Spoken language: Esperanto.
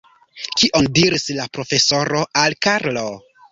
Kion diris la profesoro al Karlo?